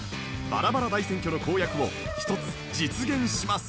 バラバラ大選挙の公約を１つ実現します